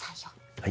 はい。